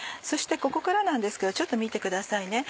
そしてここからなんですけどちょっと見てください。